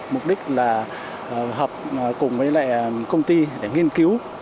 mục đích là hợp cùng với lại công ty để nghiên cứu